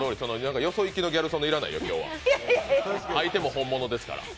よそ行きのギャル曽根要らないよ、相手も本物ですから。